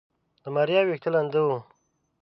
د ماريا ويښته لنده وه.